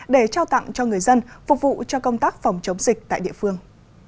để trao tặng cho người dân phục vụ cho công tác phòng chống dịch tại địa phương